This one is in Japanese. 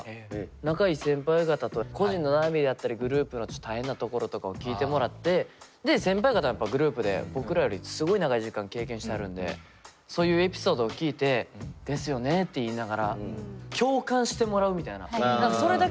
仲いい先輩方と個人の悩みであったりグループのちょっと大変なところとかを聞いてもらってで先輩方がやっぱりグループで僕らよりすごい長い時間経験してはるんでそういうエピソードを聞いてですよねって言いながら確かにね。